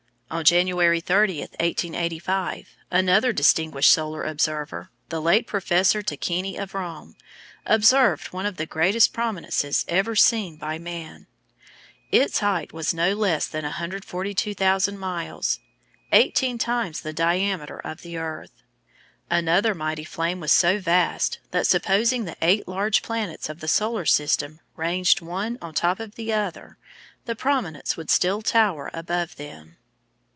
On January 30, 1885, another distinguished solar observer, the late Professor Tacchini of Rome, observed one of the greatest prominences ever seen by man. Its height was no less than 142,000 miles eighteen times the diameter of the earth. Another mighty flame was so vast that supposing the eight large planets of the solar system ranged one on top of the other, the prominence would still tower above them.